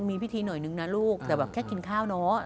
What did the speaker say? มีพิธีหน่อยนึงนะลูกแต่แบบแค่กินข้าวเนอะ